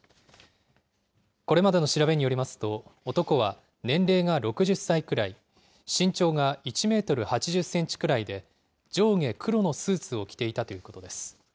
これまでの調べによりますと、男は年齢が６０歳くらい、身長が１メートル８０センチくらいで、上下黒のスーツを着ていたということです。